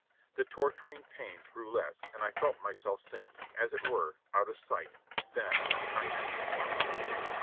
The torturing pains grew less and I felt myself sinking, as it were, out of sight, then unconsciousness followed.